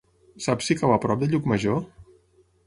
Saps si cau a prop de Llucmajor?